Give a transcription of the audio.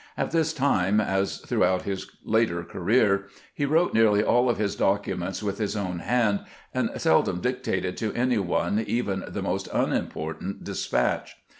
At this time, as through out his later career, he wrote nearly all his documents with his own hand, and seldom dictated to any one even the most unimportant despatch.